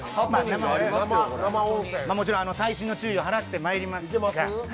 もちろん、細心の注意を払ってまいりますが。